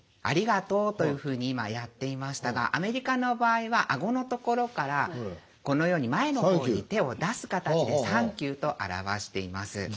「ありがとう」というふうに今やっていましたがアメリカの場合は顎のところからこのように前の方に手を出す形で「サンキュー」と表しています。